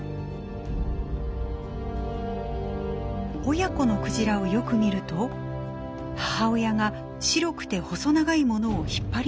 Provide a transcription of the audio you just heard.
親子のクジラをよく見ると母親が白くて細長いものを引っ張りながら泳いでいます。